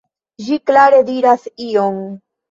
Ĝi klare diras ion.